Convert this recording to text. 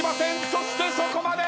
そしてそこまで！